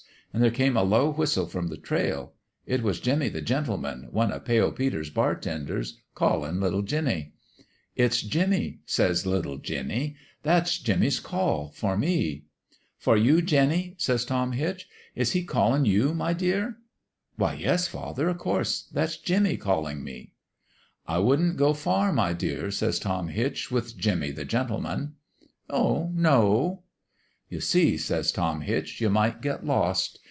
An' there came a low whistle from the trail. It was Jimmie the Gentleman, one o' Pale Peter's bar tenders, callin' little Jinny. "'It's Jimmie,' says little Jinny. 'That's Jimmie's call for me !'"' For you, Jinny ?' says Tom Hitch. ' Is he callin' you, my dear ?'"' Why, yes, father ! Of course. That's Jim mie callin' me.' "' I wouldn't go far, my dear,' says Tom Hitch, with Jimmie the Gentleman.' "' Oh, no !'"' You see,' says Tom Hitch, ' you might get lost.